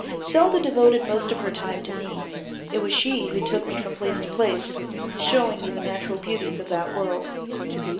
Selda devoted most of her time to me. It was she who took me from place to place, showing me the natural beauties of that world.